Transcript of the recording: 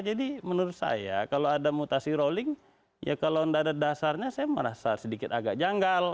jadi menurut saya kalau ada mutasi rolling ya kalau tidak ada dasarnya saya merasa sedikit agak janggal